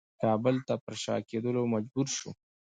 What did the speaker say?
کابل ته پر شا کېدلو مجبور شو.